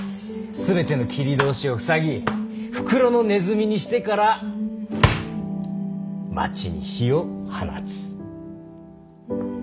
全ての切り通しを塞ぎ袋のネズミにしてから町に火を放つ。